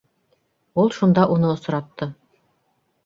Ул шунда уны осратты.